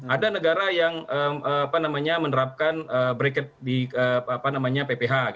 ada negara yang menerapkan briket di pph